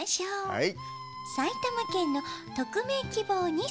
はい。